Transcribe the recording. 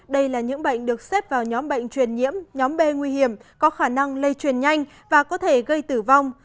đây là những bệnh được xếp vào nhóm bệnh truyền nhiễm nhóm b nguy hiểm có khả năng lây truyền nhanh và có thể gây tử vong